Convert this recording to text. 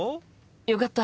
よかった！